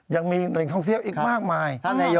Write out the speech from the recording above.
ยังมีแหล่งท่องเที่ยวอีกมากมาย